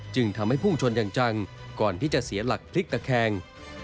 จึงทำให้พุ่งชนอย่างจังก่อนที่จะเสียหลักพลิกตะแคง